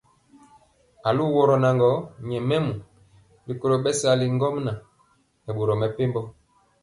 Aluworo naŋgɔ nyɛmemɔ rikolo bɛsali ŋgomnaŋ nɛ boro mepempɔ.